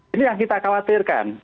ini yang kita khawatirkan